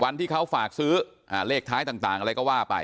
วันที่เขาฝากซื้อเลขท้ายต่างอะไรก็ว่าไป